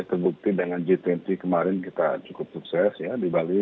kita bisa bukti dengan g dua puluh kemarin kita cukup sukses ya di bali